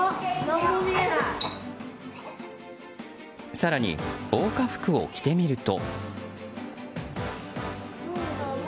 更に、防火服を着てみると。